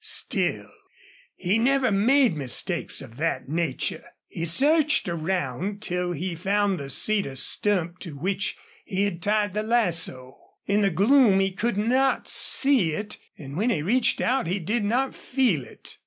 Still, he never made mistakes of that nature. He searched around till he found the cedar stump to which he had tied the lasso. In the gloom he could not see it, and when he reached out he did not feel it.